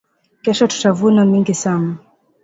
Kesho tuta vuna mingi sana